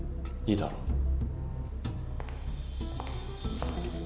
いいだろう。